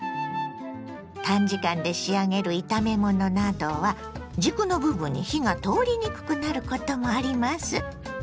短時間で仕上げる炒め物などは軸の部分に火が通りにくくなることもあります。